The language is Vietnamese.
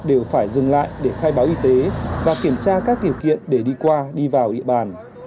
đều phải dừng lại để khai báo y tế và kiểm tra các điều kiện để đi qua đi vào địa bàn